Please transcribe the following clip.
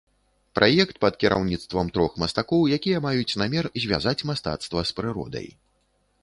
Праект пад кіраўніцтвам трох мастакоў, якія маюць намер звязаць мастацтва з прыродай.